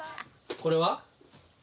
これは？